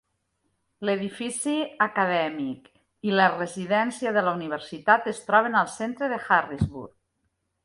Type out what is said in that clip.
L'edifici acadèmic i la residència de la universitat es troben al centre de Harrisburg.